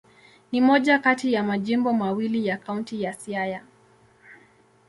Ni moja kati ya majimbo mawili ya Kaunti ya Siaya.